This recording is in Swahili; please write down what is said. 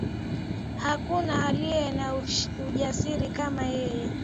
Hakuna aliye na ujasiri kama yeye